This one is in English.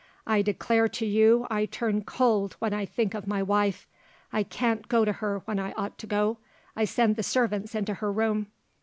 I declare to you I turn cold when I think of my wife! I can't go to her when I ought to go I send the servants into her room.